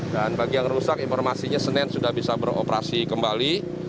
dan bagi yang rusak informasinya senin sudah bisa beroperasi kembali